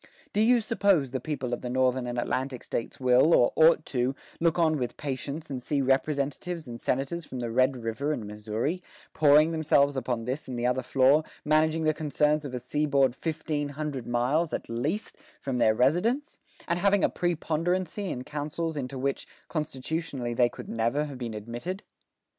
... Do you suppose the people of the Northern and Atlantic States will, or ought to, look on with patience and see Representatives and Senators from the Red River and Missouri, pouring themselves upon this and the other floor, managing the concerns of a seaboard fifteen hundred miles, at least, from their residence; and having a preponderancy in councils into which, constitutionally, they could never have been admitted?"